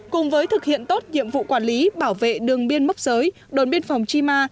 cùng với thực hiện tốt nhiệm vụ quản lý bảo vệ đường biên mốc giới đồn biên phòng chima